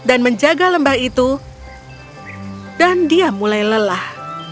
menjaga lembah itu dan dia mulai lelah